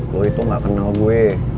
gue itu gak kenal gue